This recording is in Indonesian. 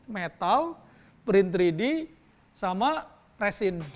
metal print tiga d sama resin